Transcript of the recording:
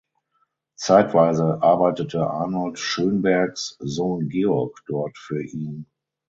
Zeitweise arbeitete Arnold Schönbergs Sohn Georg dort für ihn.